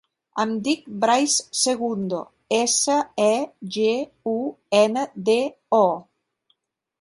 Em dic Brais Segundo: essa, e, ge, u, ena, de, o.